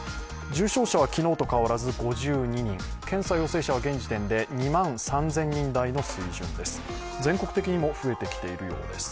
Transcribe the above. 重症者は昨日と変わらず５２人、検査陽性者は２万３０００人台の水準です。